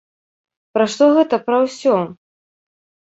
Пра што гэта пра ўсё?